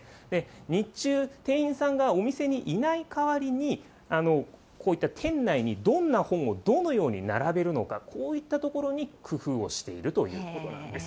日中、店員さんがお店にいない代わりに、こういった店内にどんな本をどのように並べるのか、こういったところに工夫をしているということなんです。